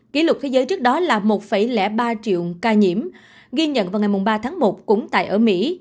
kỷ lục thế giới trước đó là một ba triệu ca nhiễm ghi nhận vào ngày ba tháng một cũng tại ở mỹ